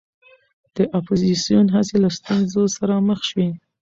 د اپوزېسیون هڅې له ستونزو سره مخ شوې.